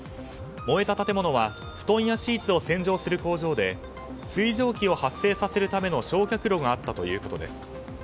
燃えた建物は布団やシーツを洗浄する工場で水蒸気を発生させるための焼却炉があったということです。